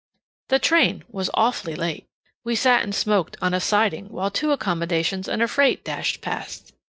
The train was awfully late. We sat and smoked on a siding while two accommodations and a freight dashed past.